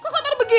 kok kotor begitu